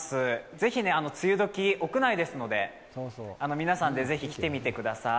ぜひ梅雨時、屋内ですので、皆さんで来てみてください。